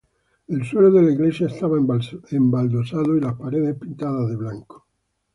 El suelo de la iglesia estaba embaldosado y las paredes pintadas de blanco.